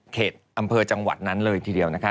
อำเภอจังหวัดนั้นเลยทีเดียวนะคะ